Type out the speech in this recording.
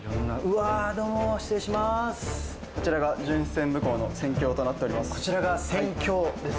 うわー、こちらが巡視船ぶこうの船橋となっております。